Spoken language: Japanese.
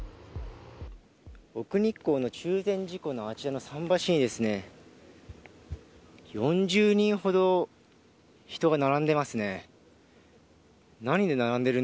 奥日光の中禅寺湖のあちらの桟橋に４０人ほど人が並んでますね。